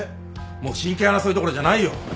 もう親権争いどころじゃないよ。